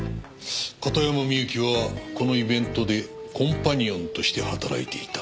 片山みゆきはこのイベントでコンパニオンとして働いていた。